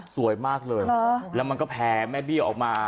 สวยมากเลยแล้วมันก็แพ้แม่เบี้ยออกมา